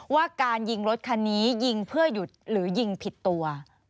ว่าการยิงรถคันนี้ยิงเพื่อหยุดหรือยิงผิดตัว